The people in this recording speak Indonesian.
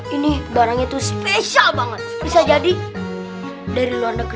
ini barangnya itu spesial banget bisa jadi dari luar negeri